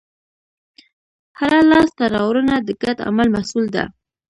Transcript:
هره لاستهراوړنه د ګډ عمل محصول ده.